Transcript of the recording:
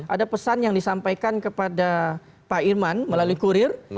ada pesan yang disampaikan kepada pak irman melalui kurir